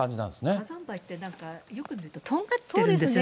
火山灰ってなんか、とんがってるんですよね。